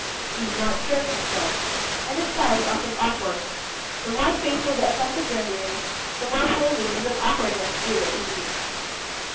He is not sure of himself, and his style is often awkward. The more faithful the attempted rendering, the more plainly must that awkwardness be reproduced.